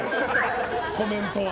コメントは。